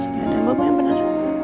yaudah bobo yang bener